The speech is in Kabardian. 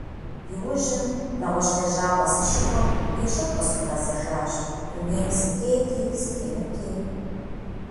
Иужьым, нэгъуэщӀ лэжьапӀэ сыщыкӀуэм, и щӀыб къысхуигъэзэжащ - дунейм сытети сытемыти.